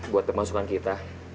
buat pemasukan kita